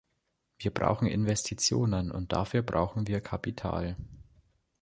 Wir brauchen Investitionen, und dafür brauchen wir Kapital.